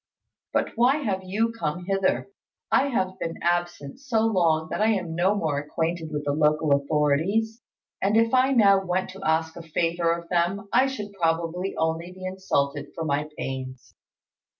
But why have you come hither? I have been absent so long that I am no more acquainted with the local authorities; and if I now went to ask a favour of them, I should probably only be insulted for my pains.